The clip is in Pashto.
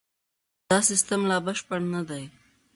دا سیستم لا بشپړ نه دی.